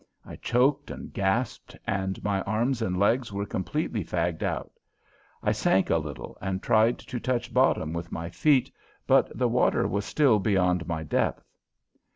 I choked and gasped and my arms and legs were completely fagged out. I sank a little and tried to touch bottom with my feet, but the water was still beyond my depth.